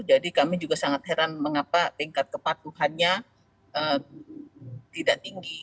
jadi kami juga sangat heran mengapa tingkat kepatuhannya tidak tinggi